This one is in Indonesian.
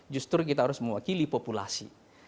justru kita harus mewakili populasi